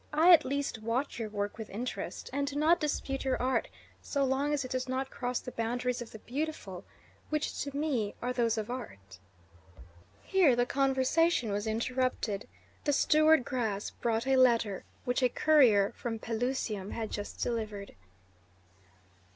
I at least watch your work with interest, and do not dispute your art so long as it does not cross the boundaries of the beautiful, which to me are those of art." Here the conversation was interrupted; the steward Gras brought a letter which a courier from Pelusium had just delivered.